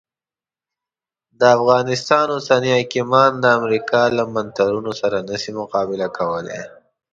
د افغانستان اوسني حاکمان د امریکا له منترونو سره نه سي مقابله کولای.